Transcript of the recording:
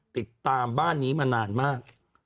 ติดตามบ้านนี้มานานมาก